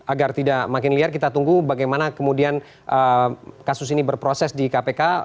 agar tidak makin liar kita tunggu bagaimana kemudian kasus ini berproses di kpk